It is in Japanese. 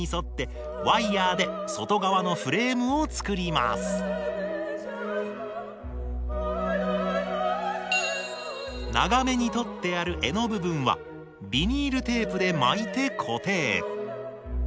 まずは長めにとってある柄の部分はビニールテープで巻いて固定。